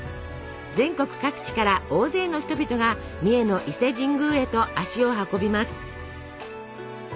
全国各地から大勢の人々が三重の伊勢神宮へと足を運びます。